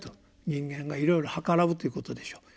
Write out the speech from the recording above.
人間がいろいろはからうということでしょう。